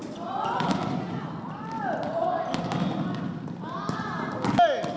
สุดท้ายสุดท้ายสุดท้าย